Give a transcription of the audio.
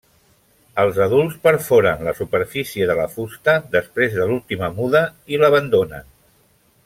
Els adults perforen la superfície de la fusta després de l'última muda i l'abandonen.